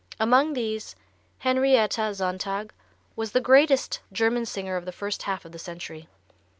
Among these Henrietta Sontag was the greatest German singer of the first half of the century.